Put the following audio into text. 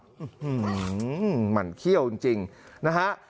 อื้อหือมันเขี้ยวจริงนะฮะ